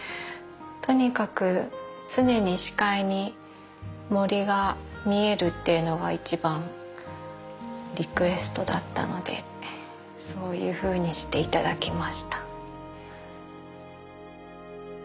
とにかく常に視界に森が見えるっていうのが一番リクエストだったのでそういうふうにして頂きました。